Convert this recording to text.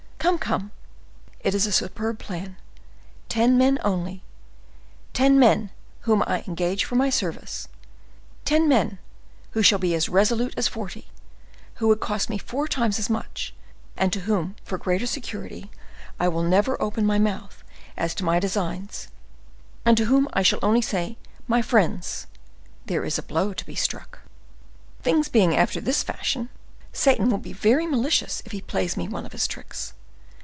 Come, come! it is a superb plan. Ten men only—ten men, whom I will engage for my service; ten men who shall be as resolute as forty, who would cost me four times as much, and to whom, for greater security, I will never open my mouth as to my designs, and to whom I shall only say 'My friends, there is a blow to be struck.' Things being after this fashion, Satan will be very malicious if he plays me one of his tricks.